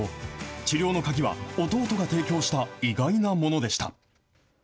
治療の鍵は弟が提供した意外なものでした。